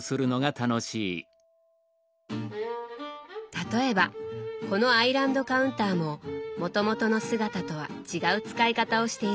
例えばこのアイランドカウンターももともとの姿とは違う使い方をしているそうです。